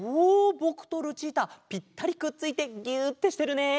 ぼくとルチータぴったりくっついてぎゅーってしてるね！